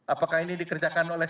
apakah ini dikerjakan oleh